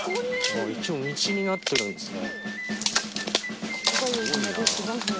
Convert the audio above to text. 一応道になってるんですね。